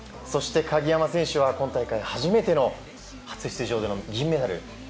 そして鍵山選手は今大会初めての初出場での銀メダル。